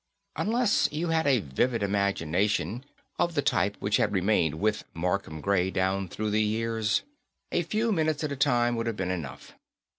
Unless you had a vivid imagination of the type which had remained with Markham Gray down through the years, a few minutes at a time would have been enough.